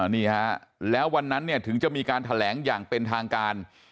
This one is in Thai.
นี่ฮะแล้ววันนั้นเนี่ยถึงจะมีการแถลงอย่างเป็นทางการ